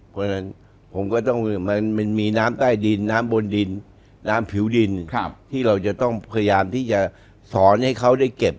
เพราะฉะนั้นผมก็ต้องมันมีน้ำใต้ดินน้ำบนดินน้ำผิวดินที่เราจะต้องพยายามที่จะสอนให้เขาได้เก็บ